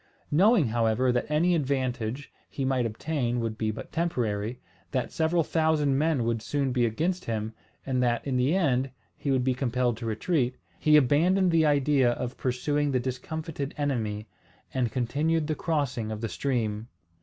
Knowing, however, that any advantage he might obtain would be but temporary, that several thousand men would soon be against him, and that in the end he would be compelled to retreat, he abandoned the idea of pursuing the discomfited enemy, and continued the crossing of the stream.